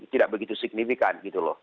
tidak begitu signifikan gitu loh